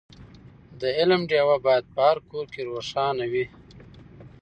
د علم ډېوه باید په هر کور کې روښانه وي.